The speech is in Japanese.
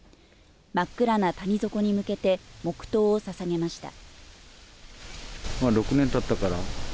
真っ暗な谷底に向けて黙祷をささげました。